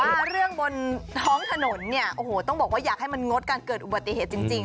คือเรื่องบนท้องถนนเนี่ยโอ้โหต้องบอกว่าอยากให้มันงดการเกิดอุบัติเหตุจริง